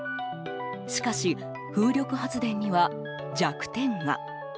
しかし、風力発電には弱点が。